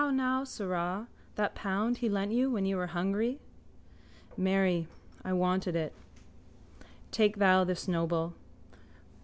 How now, sirrah, that pound he lent you when you were hungry? Marry, I wanted it. Take thou this noble.